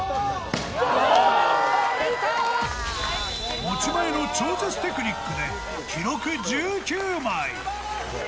持ち前の超絶テクニックで記録１９枚。